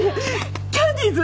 キャンディーズ？